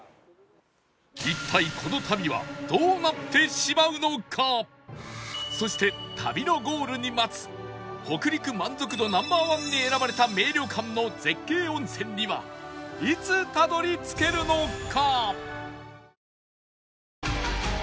一体そして旅のゴールに待つ北陸満足度 Ｎｏ．１ に選ばれた名旅館の絶景温泉にはいつたどり着けるのか？